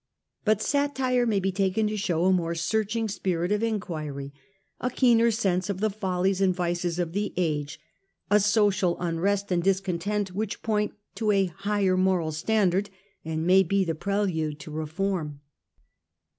But satire may be taken to show a more searching spirit of enquiry, a keener sense of the follies and vices of the age, a social unrest and discontent which point to a higher moral standard and may be the prelude 2. Juvenal to reform.